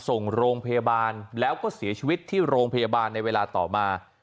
ส่งโรงพยาบาลแล้วก็เสียชีวิตที่โรงพยาบาลในเวลาต่อมา